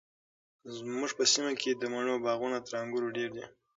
زموږ په سیمه کې د مڼو باغونه تر انګورو ډیر دي.